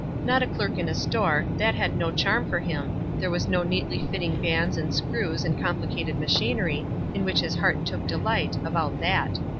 Not a clerk in a store — that hud no charm for him; there were no neatly fitting bands and screws and complicated machinery, in which his heart took delight, about that.